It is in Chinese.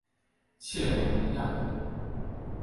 切雷尼亚诺。